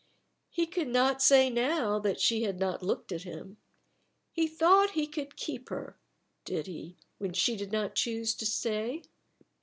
He could not say now that she had not looked at him. He thought he could keep her, did he, when she did not choose to stay?